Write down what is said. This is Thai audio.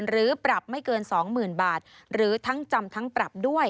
หรือปรับไม่เกิน๒๐๐๐บาทหรือทั้งจำทั้งปรับด้วย